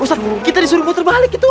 ustadz kita disuruh puter balik gitu